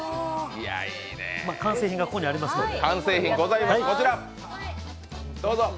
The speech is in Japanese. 完成品がここにありますので。